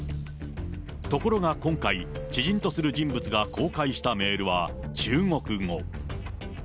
ところが今回、知人とする人物が公開したメールは中国語。